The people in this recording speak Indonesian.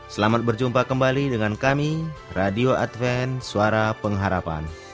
selamat berjumpa kembali dengan kami radio adven suara pengharapan